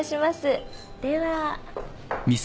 では。